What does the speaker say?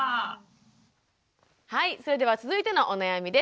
はいそれでは続いてのお悩みです。